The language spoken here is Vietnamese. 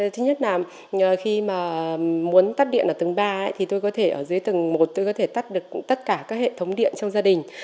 thứ nhất là khi mà muốn tắt điện ở tầng ba thì tôi có thể ở dưới tầng một tôi có thể tắt được tất cả các hệ thống điện trong gia đình